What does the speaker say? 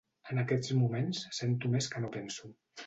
En aquests moments sento més que no penso.